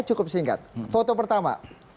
cukup singkat foto pertama